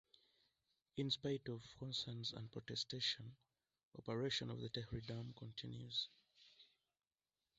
In spite of concerns and protestation, operation of the Tehri Dam continues.